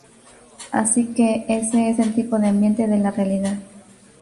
Así que ese es el tipo de ambiente de la realidad".